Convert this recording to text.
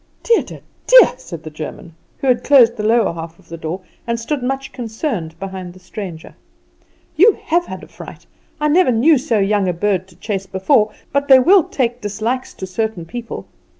"Dear, dear, dear!" said the German, who had closed the lower half of the door, and stood much concerned beside the stranger, "you have had a fright. I never knew so young a bird to chase before; but they will take dislikes to certain people.